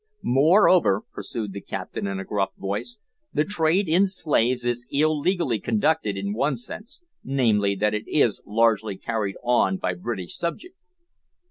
"Moreover," pursued the captain, in a gruff voice, "the trade in slaves is illegally conducted in one sense, namely, that it is largely carried on by British subjects."